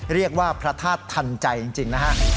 เรียกว่าพระธาตุทันใจจริงนะฮะ